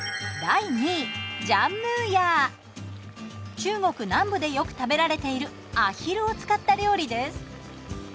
中国南部でよく食べられているアヒルを使った料理です。